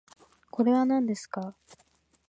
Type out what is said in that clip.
これはなんですか？